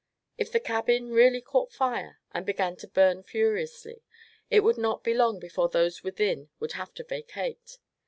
If the cabin really caught fire, and began to burn furiously, it would not be long before those within would have to vacate.